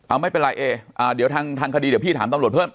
เอาไม่เป็นไรเอเดี๋ยวทางคดีเดี๋ยวพี่ถามตำรวจเพิ่ม